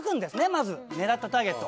まず狙ったターゲット。